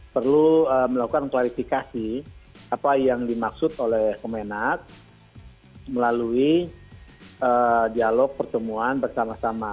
perlu melakukan klarifikasi apa yang dimaksud oleh kemenak melalui dialog pertemuan bersama sama